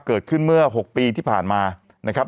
เกิดขึ้นเมื่อ๖ปีที่ผ่านมานะครับ